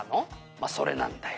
「まあそれなんだよ」